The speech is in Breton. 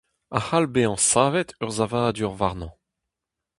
A c'hall bezañ savet ur savadur warnañ.